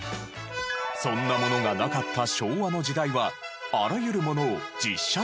そんなものがなかった昭和の時代はあらゆるものを実写で撮影。